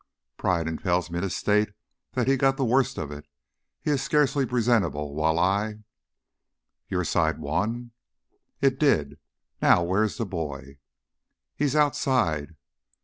"Pride impels me to state that he got the worst of it. He is scarcely presentable, while I " "Your side won?" "It did. Now, where is the boy?" "He's outside."